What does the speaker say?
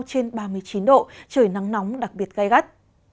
trên ba mươi chín độ trời nắng nóng đặc biệt gai gắt